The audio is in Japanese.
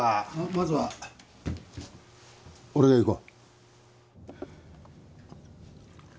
まずは俺が行こう。